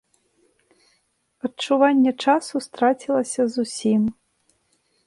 Адчуванне часу страцілася зусім.